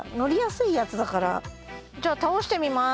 じゃあ倒してみます。